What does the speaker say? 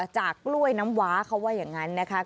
จากกล้วยน้ำว้าเขาว่าอย่างนั้นนะคะ